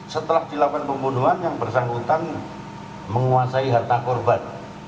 setelah dilakukan pembunuhan yang bersangkutan menguasai harta korban